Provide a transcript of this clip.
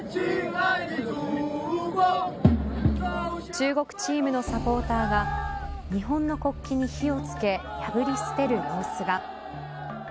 中国チームのサポーターが日本の国旗に火をつけ破り捨てる様子が。